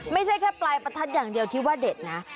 ไม่ใช่แค่ปลายประทัดอย่างเดียวคิดว่าเด็ดนะ